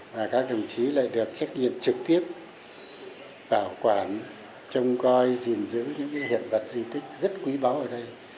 và các đồng chí lại được trách nhiệm trực tiếp bảo quản trông coi gìn giữ những cái hiện vật gì thích rất quý báu ở đây